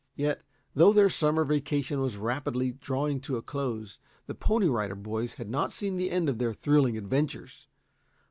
Yet, though their summer vacation was rapidly drawing to a close, the Pony Rider Boys had not seen the end of their thrilling adventures.